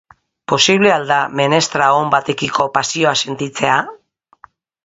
Posible al da menestra on batekiko pasioa sentitzea?